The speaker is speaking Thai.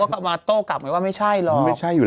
ก็มาโต้กลับไงว่าไม่ใช่หรอก